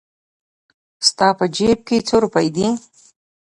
ستا په جېب کې څو روپۍ دي؟